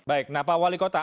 baik nah pak wali kota